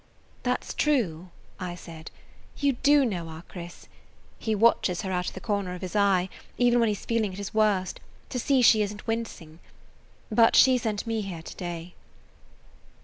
"That 's true," I said. "You do know our Chris. He watches her out of the corner of his eye, even when he 's feeling at his worst, to see she is n't wincing. But she sent me here to day."